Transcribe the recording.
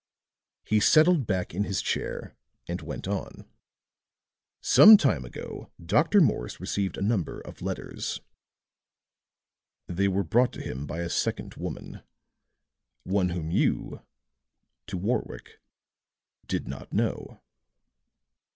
He settled back in his chair, and went on: "Some time ago Dr. Morse received a number of letters. They were brought to him by a second woman one whom you," to Warwick, "did not know."